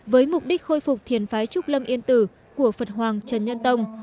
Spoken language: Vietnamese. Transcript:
với mục đích khôi phục thiền phái trúc lâm yên tử của phật hoàng trần nhân tông